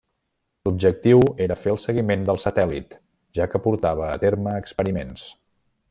L'objectiu era fer el seguiment del satèl·lit, ja que portava a terme experiments.